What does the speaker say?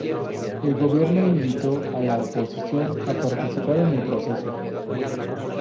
El gobierno invitó a la oposición a participar en el proceso.